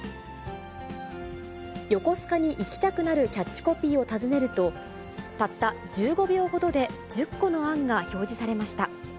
横須賀に行きたくなるキャッチコピーを尋ねると、たった１５秒ほどで１０個の案が表示されました。